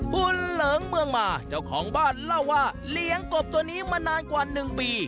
คุณเหลิงเมืองมาเจ้าของบ้านเล่าว่าเลี้ยงกบตัวนี้มานานกว่า๑ปี